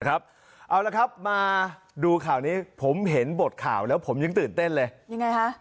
เอาละครับมาดูข่าวนี้ผมเห็นบทข่าวแล้วผมยังตื่นเต้นเลยยังไงฮะ